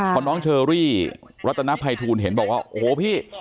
พอน้องเชอรี่รัตนภัยทูลเห็นบอกว่าโอ้โหพี่